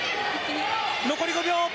残り５秒！